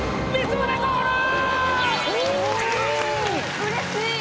うれしい。